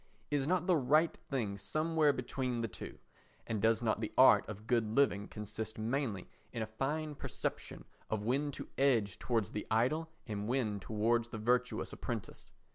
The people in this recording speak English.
Is not the right thing somewhere between the two? And does not the art of good living consist mainly in a fine perception of when to edge towards the idle and when towards the virtuous apprentice?